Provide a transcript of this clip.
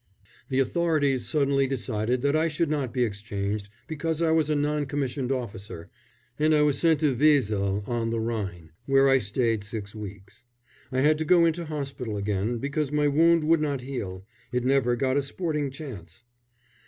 The authorities suddenly decided that I should not be exchanged, because I was a non commissioned officer, and I was sent to Wesel on the Rhine, where I stayed six weeks. I had to go into hospital again, because my wound would not heal it never got a sporting chance.